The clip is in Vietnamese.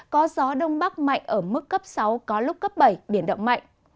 có gió đông bắc mạnh ở mức cấp sáu có lúc cấp bảy biển động mạnh